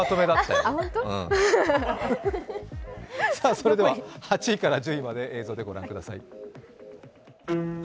それでは８位から１０位まで映像でご覧ください。